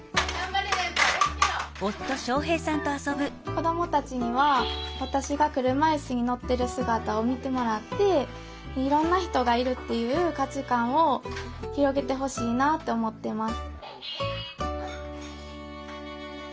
子どもたちには私が車いすに乗ってる姿を見てもらっていろんな人がいるっていう価値観を広げてほしいなって思っています